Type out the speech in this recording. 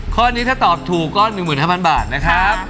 ข้อนี้ถ้าตอบถูกก็๑๕๐๐บาทนะครับ